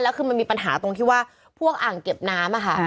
แล้วคือมันมีปัญหาตรงที่ว่าพวกอ่างเก็บน้ำอะค่ะ